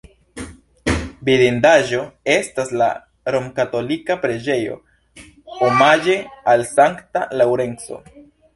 Vidindaĵo estas la romkatolika preĝejo omaĝe al Sankta Laŭrenco.